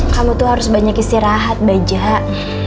kamu tuh harus banyak istirahat bajak